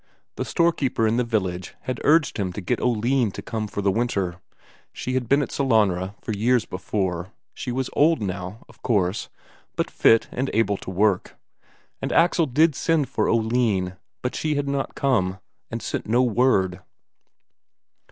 The storekeeper in the village had urged him to get Oline to come for the winter, she had been at Sellanraa for years before; she was old now, of course, but fit and able to work. And Axel did send for Oline, but she had not come, and sent no word.